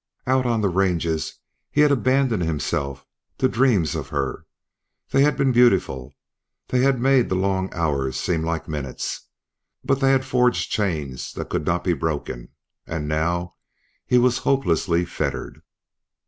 Out on the ranges he had abandoned himself to dreams of her; they had been beautiful; they had made the long hours seem like minutes; but they had forged chains that could not be broken, and now he was hopelessly fettered.